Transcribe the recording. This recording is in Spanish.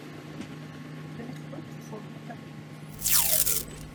John Scott fue muerto a tiros.